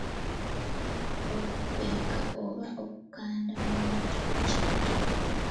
Okupeeka oba okukanda omuntu ekintu.